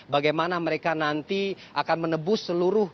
bagaimana mereka nanti akan menebus seluruh harta benda ini